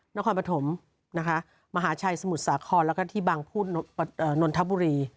นครปฐมนะคะมหาชัยสมุทรสาครแล้วก็ที่บางพูดนนทบุรี